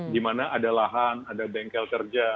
di mana ada lahan ada bengkel kerja